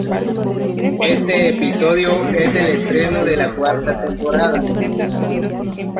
Este episodio es el estreno de la cuarta temporada.